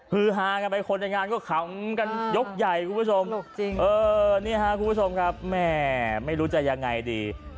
คือฮากันไปคนในงานก็ขำกันยกใหญ่คุณผู้ชมนี่ฮะคุณผู้ชมครับแม่ไม่รู้จะยังไงดี